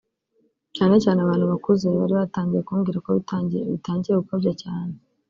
cyane cyane abantu bakuze bari batangiye kumbwira ko bitangiye gukabya cyane